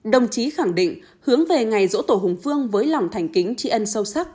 đồng chí khẳng định hướng về ngày rỗ tổ hùng phương với lòng thành kính trị ân sâu sắc